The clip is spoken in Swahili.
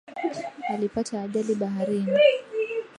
Alipata ajali baharini.